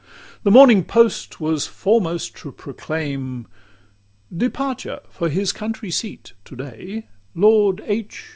The Morning Post was foremost to proclaim "Departure, for his country seat, to day, Lord H.